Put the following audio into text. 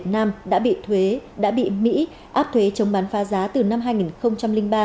sản phẩm cá cha của việt nam đã bị mỹ áp thuế chống bán pha giá từ năm hai nghìn ba